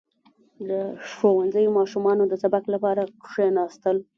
• د ښوونځي ماشومانو د سبق لپاره کښېناستل.